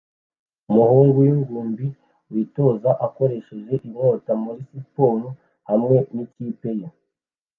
Umuhungu wingimbi witoza akoresheje inkota muri siporo hamwe nikipe ye